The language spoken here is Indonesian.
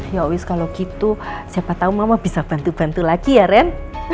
ya wis kalau gitu siapa tahu mama bisa bantu bantu lagi ya ren